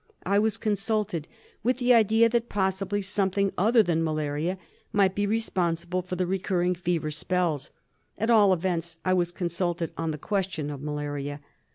I was consulted with the idea that possibly something other than malaria might be responsible for the recurring fever spells. At all events I was consulted on the question of malaria.